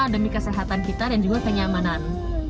demi kesehatan kita dan juga kenyamanan